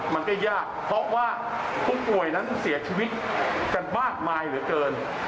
มันก็ยากเพราะว่าผู้ป่วยนั้นเสียชีวิตกันมากมายเหลือเกิน